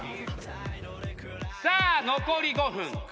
さあ残り５分。